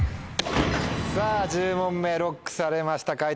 さぁ１０問目ＬＯＣＫされました解答